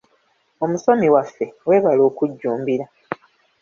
Omusomi waffe, weebale okujjumbira.